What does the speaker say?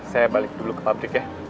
saya balik dulu ke pabrik ya